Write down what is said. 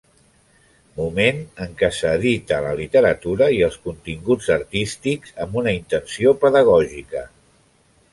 Moment en què s'edita la literatura i els continguts artístics amb una intenció pedagògica.